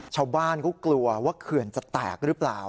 ชาวบ้านเขากลัวว่าเขื่อนจะแตกหรือเปล่า